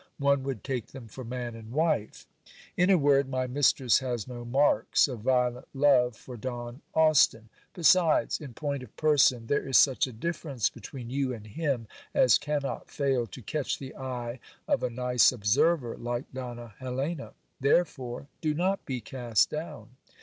One would take them for man and wife. In a word, my mistress has no marks of violent love for Don Austin. Besides, in point of person, there is such a difference between you and him as cannot fail to catch the eye of a nice observer like Donna Helena. Therefore do not be cast down.